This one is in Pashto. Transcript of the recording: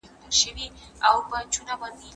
ژباړونکي ناوړه حالات ویني.